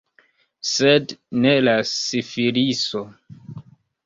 Sed ne la sifiliso.